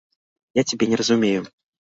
Я цябе не разумею.